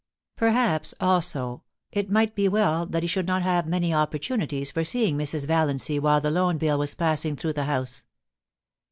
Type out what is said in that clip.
Perhaps, also, it might be well that he should not have many opportunities for seeing Mrs. Valiancy while the Loan Bill was passing through the House.